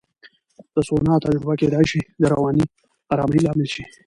د سونا تجربه کېدای شي د رواني آرامۍ لامل شي.